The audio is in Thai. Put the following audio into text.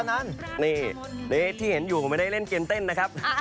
นั่นนี่ที่เห็นอยู่ไม่ได้เล่นเกมเต้นนะครับ